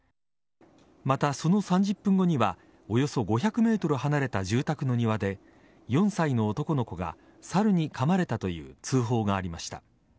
また、その３０分後にはおよそ５００ｍ離れた住宅の庭で４歳の男の子がサルにかまれたという通報がありました。